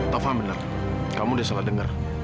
taufan benar kamu di salah dengar